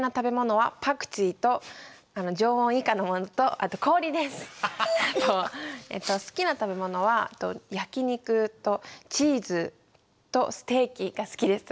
あとえっと好きな食べ物は焼き肉とチーズとステーキが好きです。